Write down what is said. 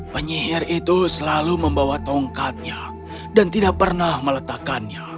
penyihir itu selalu membawa tongkatnya dan tidak pernah meletakkannya